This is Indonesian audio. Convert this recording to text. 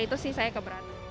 itu sih saya keberatan